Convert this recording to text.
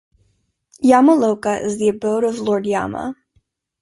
"Yama Loka" is the abode of Lord Yama.